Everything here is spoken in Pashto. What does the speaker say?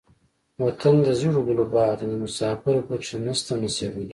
وطن دزيړو ګلو باغ دے دمسافرو پکښې نيشته نصيبونه